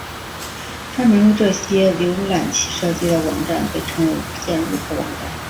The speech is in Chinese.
专门为这些浏览器设计的网站被称为无线入口网站。